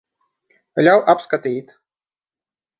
Ļauj apskatīt.